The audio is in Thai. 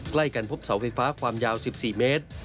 ใกล้กันพบเสาไฟฟ้าความยาว๑๔เมตร